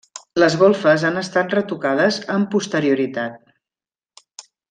Les golfes han estat retocades amb posterioritat.